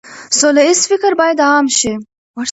سوله ييز فکر بايد عام شي.